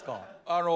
あの。